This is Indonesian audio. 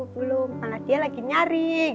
tapi pelajarannya mana nyaris